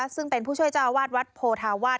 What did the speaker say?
ซึ่งเป็นผู้ช่วยเจ้าอาวาสวัดโพธาวาส